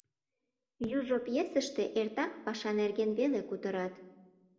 Южо пьесыште эртак паша нерген веле кутырат.